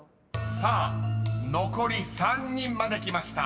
［さあ残り３人まできました］